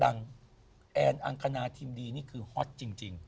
แอนอังคณาทีมดีนี่คือฮอตจริง